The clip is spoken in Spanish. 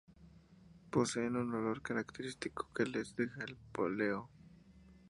Poseen un olor característico que les deja el poleo.